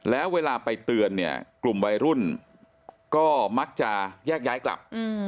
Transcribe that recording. แล้วเวลาไปเตือนเนี่ยกลุ่มวัยรุ่นก็มักจะแยกย้ายกลับ